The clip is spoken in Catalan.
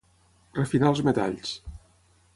Refinar els metalls.